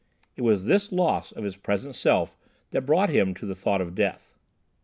It was this loss of his present self that brought to him the thought of death.